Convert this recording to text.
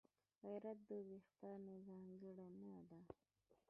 غیرت د پښتانه ځانګړنه ده